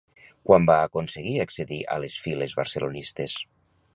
Quan va aconseguir accedir a les files barcelonistes?